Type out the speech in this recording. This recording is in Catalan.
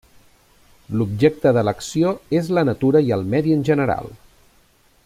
L'objecte de l'acció és la natura i el medi en general.